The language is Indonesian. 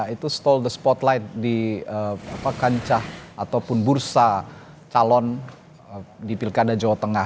itu stall the spotlight di kancah ataupun bursa calon di pilkada jawa tengah